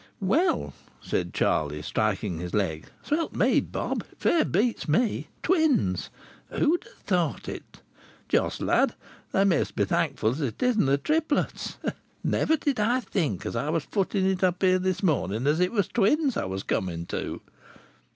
"Well," said Charlie, striking his leg. "Swelp me bob! It fair beats me! Twins! Who'd ha'thought it? Jos, lad, thou mayst be thankful as it isna' triplets. Never did I think, as I was footing it up here this morning, as it was twins I was coming to!"